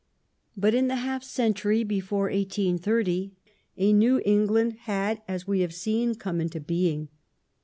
^ But in the half century before 1830 a new England had, as we have seen, come into being.